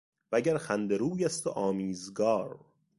و گر خنده روی است و آمیزگار